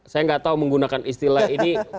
saya nggak tahu menggunakan istilah ini